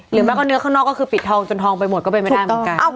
แม้ก็เนื้อข้างนอกก็คือปิดทองจนทองไปหมดก็เป็นไม่ได้เหมือนกัน